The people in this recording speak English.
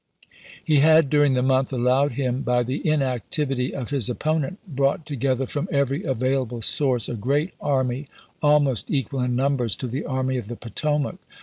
He had, dur ing the month allowed him by the inactivity of his opponent, brought together from every available source a great army, almost equal in numbers to the Army of the Potomac.